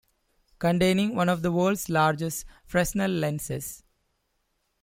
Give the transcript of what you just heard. Containing one of the world's largest Fresnel lenses.